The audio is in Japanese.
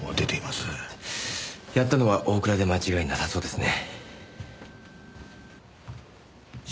やったのは大倉で間違いなさそうですね。